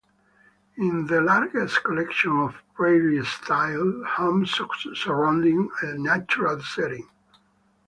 It is the largest collection of Prairie Style homes surrounding a natural setting.